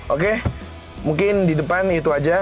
oke mungkin di depan itu aja